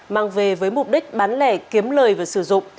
mang về với mục đích bán lẻ kiếm lời và sử dụng